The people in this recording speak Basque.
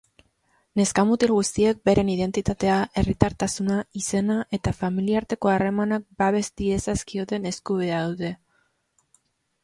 Neska-mutil guztiek beren identitatea, herritartasuna, izena eta familiarteko harremanak babes diezazkioten eskubidea dute.